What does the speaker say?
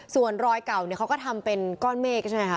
ส่วนรอยเก่าเนี่ยเขาก็ทำเป็นก้อนเมฆใช่ไหมคะ